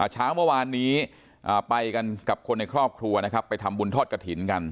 เช้าเมื่อวานนี้ไปกันกับคนในครอบครัวนะครับไปทำบุญทอดกระถิ่นกัน